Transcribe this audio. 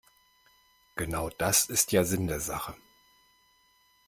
Genau das ist ja Sinn der Sache.